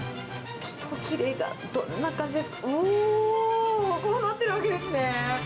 一切れがどんな感じですか、うおー、こうなってるわけですね。